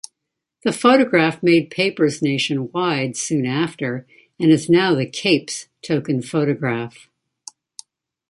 The photograph made papers nationwide soon after and is now the "Cape's" token photograph.